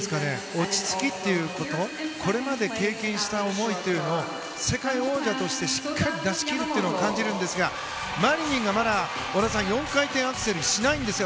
落ち着きというかこれまで経験した思いを世界王者としてしっかり出し切るというのを感じるんですが織田さん、マリニンがまだ４回転アクセルしないんですよ。